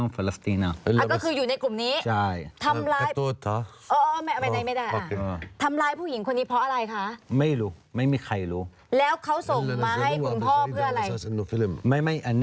มอราโคออสเบกิสตาน